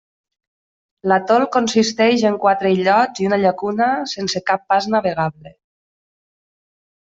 L'atol consisteix en quatre illots i una llacuna sense cap pas navegable.